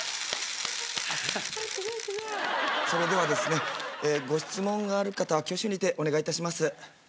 それではですねご質問がある方は挙手にてお願いいたします。